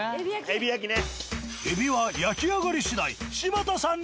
エビ焼きね。